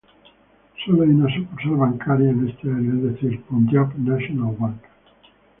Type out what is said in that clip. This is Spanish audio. Sólo hay una sucursal bancaria en esta área, es decir, Punjab National Bank.